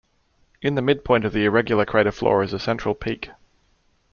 In the midpoint of the irregular crater floor is a central peak.